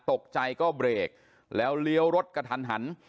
ตกใจก็เบรกแล้วเลี้ยวรถกระทันหัน